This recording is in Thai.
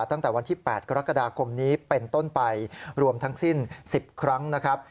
ตั้งแต่วันที่๘กรกฎาคมนี้เป็นต้นไปรวมทั้งสิ้น๑๐ครั้งนะครับ